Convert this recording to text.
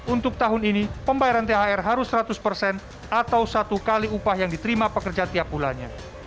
untuk tahun ini pembayaran thr harus seratus persen atau satu kali upah yang diterima pekerja tiap bulannya